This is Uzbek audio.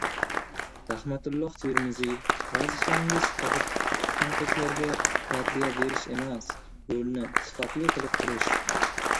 Rahmatulloh Termiziy: "Vazifangiz tanqidlarga raddiya berish emas, yo‘lni sifatli qilib qurish!"